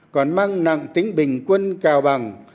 còn mang nặng tính bình quân cao bằng